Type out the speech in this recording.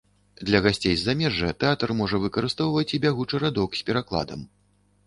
Для гасцей з замежжа тэатр можа выкарыстоўваць і бягучы радок з перакладам.